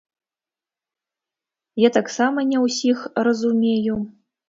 Я таксама не ўсіх разумею.